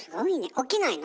起きないの？